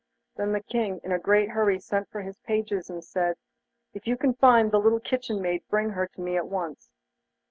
Then the King in a great hurry sent for his pages and said: 'If you can find the little kitchen maid, bring her to me at once.